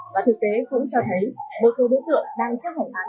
và thực tế cũng cho thấy một số đối tượng đang chấp hỏng án trong trại giam